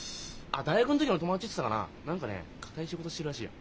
大学の時の友達っつったかな何かね堅い仕事してるらしいよ。